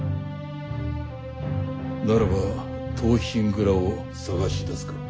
ならば盗品蔵を捜し出すか。